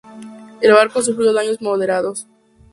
El barco sufrió daños moderados.